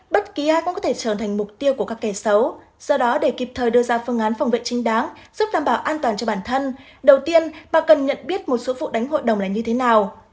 bất kỳ ai cũng có thể trở thành mục tiêu của các kẻ xấu do đó để kịp thời đưa ra phương án phòng vệ chính đáng giúp đảm bảo an toàn cho bản thân đầu tiên bà cần nhận biết một số vụ đánh hội đồng là như thế nào